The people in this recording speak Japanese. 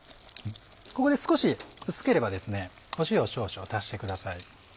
ここで少し薄ければ塩を少々足してください。